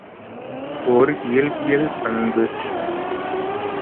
ஒர் இயற்பியல் பண்பு.